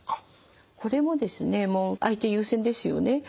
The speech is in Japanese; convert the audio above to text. これもですね相手優先ですよね。